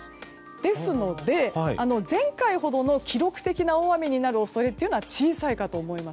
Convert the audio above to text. ですので、前回ほどの記録的な大雨になる恐れは小さいかと思います。